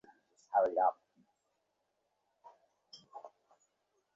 ভক্তের জন্য বিহিত উপাসনাপদ্ধতিগুলির মধ্যে মানুষের উপাসনাই শ্রেষ্ঠ।